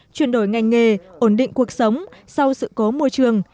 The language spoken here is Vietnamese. chuyển đổi ngành nghề ổn định cuộc sống sau sự cố môi trường